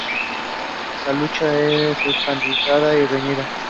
La lucha es encarnizada y reñida.